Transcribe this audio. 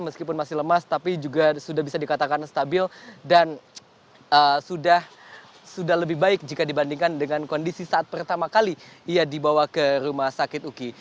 meskipun masih lemas tapi juga sudah bisa dikatakan stabil dan sudah lebih baik jika dibandingkan dengan kondisi saat pertama kali ia dibawa ke rumah sakit uki